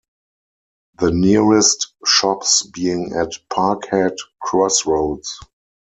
The nearest shops being at Parkhead crossroads.